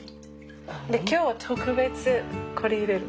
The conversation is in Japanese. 今日は特別これ入れる。